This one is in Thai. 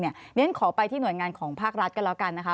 เพราะฉะนั้นขอไปที่หน่วยงานของภาครัฐกันแล้วกันนะคะ